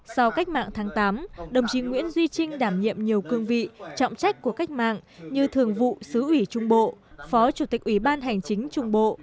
sau cách mạng tháng tám đồng chí nguyễn duy trinh đảm nhiệm nhiều cương vị trọng trách của cách mạng như thường vụ xứ ủy trung bộ phó chủ tịch ủy ban hành chính trung bộ